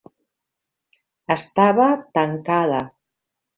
Estava tancada.